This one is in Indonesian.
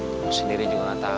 kamu sendiri juga gak tau ya